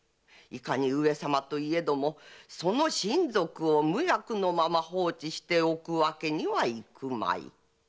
いかに上様といえどもその親族を無役のまま放置しておくわけにはいくまい。